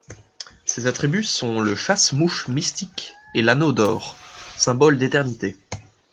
Ses attributs sont le chasse-mouches mystique et l'anneau d'or, symbole d'éternité.